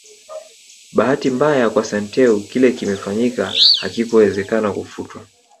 Bahati mbaya kwa Santeu kile kimefanyika hakikuwezekana kufutwa